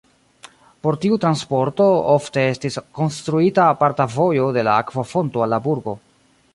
Por tiu transporto ofte estis konstruita aparta vojo de la akvofonto al la burgo.